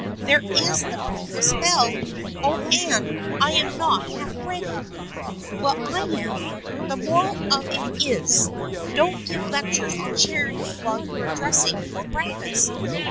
There is the breakfast bell ! Oh, Anne, I am not half ready !"" Well, I am. The moral of it is, don't give lectures on charity while you are dressing for breakfast.